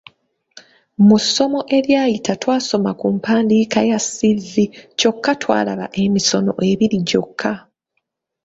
Mu ssomo eryayita twasoma ku mpandiika ya ‘ssivvi’ kyokka twalaba emisono ebiri gyokka.